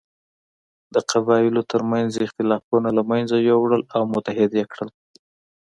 د قبایلو تر منځ یې اختلافونه له منځه یووړل او متحد یې کړل.